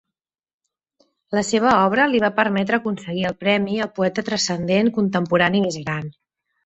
La seva obra li va permetre aconseguir el premi al "poeta transcendent contemporani més gran".